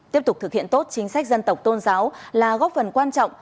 tiếp tục thực hiện tốt chính sách dân tộc tôn giáo là góp phần quan trọng